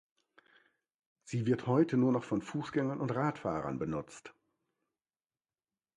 Sie wird heute nur noch von Fußgängern und Radfahrern benutzt.